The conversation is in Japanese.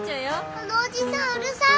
あのおじさんうるさい。